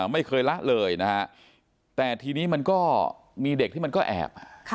ไม่เคยละเลยนะฮะแต่ทีนี้มันก็มีเด็กที่มันก็แอบ